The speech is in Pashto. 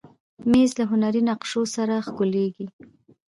مېز له هنري نقشو سره ښکليږي.